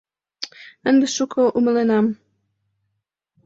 Ынде шуко умыленам...